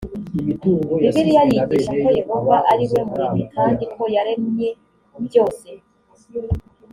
bibiliya yigisha ko yehova ari we muremyi kandi ko yaremye byose